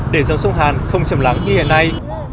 để dòng sông hàn không chầm lắng như hiện nay